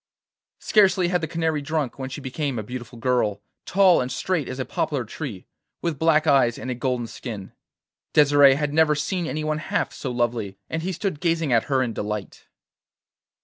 Scarcely had the canary drunk when she became a beautiful girl, tall and straight as a poplar tree, with black eyes and a golden skin. Desire had never seen anyone half so lovely, and he stood gazing at her in delight.